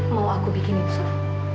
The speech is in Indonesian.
mau aku bikin itu sof